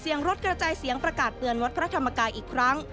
รถกระจายเสียงประกาศเตือนวัดพระธรรมกายอีกครั้ง